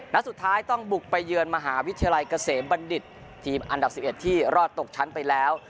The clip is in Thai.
นัดสุดท้ายต้องบุกไปเยือนมหาวิทยาลัยเกษมบัณฑิตทีมอันดับ๑๑ที่รอดตกชั้นไปแล้ว